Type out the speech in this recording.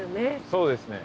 そうですね。